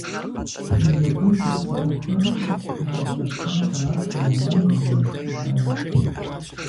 Сингапур щыпсэухэр зэфэ псыр къраш Малайзием, Китайм.